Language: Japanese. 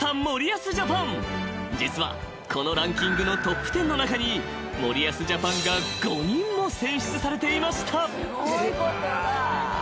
［実はこのランキングのトップテンの中に森保ジャパンが５人も選出されていました］